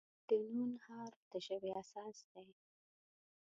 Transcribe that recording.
د "ن" حرف د ژبې اساس دی.